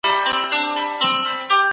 ځينې نور بيا له تاريخي کسانو کرکه لري.